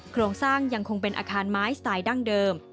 โครงสร้างยังคงเป็นอาคารไม้สไตล์ดั้งเดิม